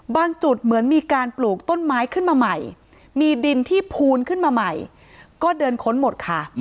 จุดเหมือนมีการปลูกต้นไม้ขึ้นมาใหม่มีดินที่พูนขึ้นมาใหม่ก็เดินค้นหมดค่ะ